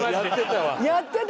やってた！